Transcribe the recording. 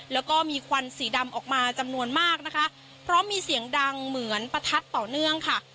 แล้วก็มีควันสีดำออกมาจำนวนมากนะคะเพราะมีเสียงดังเหมือนประทัดต่อเนื่องค่ะ